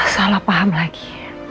salah paham lagi